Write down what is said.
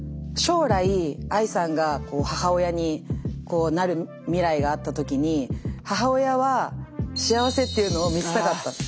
将来ＡＩさんが母親になる未来があった時に母親は幸せっていうのを見せたかった。